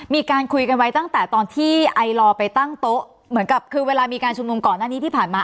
มีการคุยกันไว้ตั้งแต่ตอนที่ไอลอร์ไปตั้งโต๊ะเหมือนกับคือเวลามีการชุมนุมก่อนหน้านี้ที่ผ่านมา